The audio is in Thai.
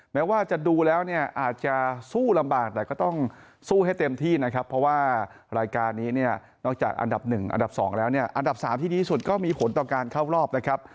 แม้ว่าจะดูแล้วอาจจะสู้ลำบากแต่ก็ต้องสู้ให้เต็มที่นะครับ